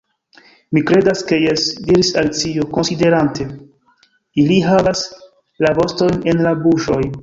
"Mi kredas ke jes," diris Alicio, konsiderante. "Ili havas la vostojn en la buŝoj. »